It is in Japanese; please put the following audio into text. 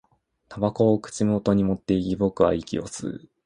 煙草を口元に持っていき、僕は息を吸う